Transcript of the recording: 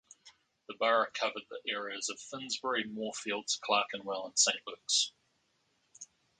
The borough covered the areas of Finsbury, Moorfields, Clerkenwell, and Saint Luke's.